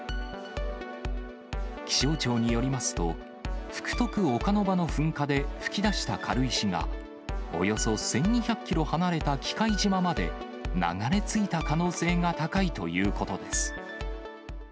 気象庁によりますと、福徳岡ノ場の噴火で噴き出した軽石が、およそ１２００キロ離れた喜界島まで流れ着いた可能性が高いということです。